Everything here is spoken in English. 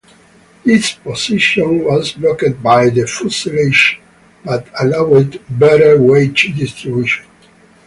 This position was blocked by the fuselage but allowed better weight distribution.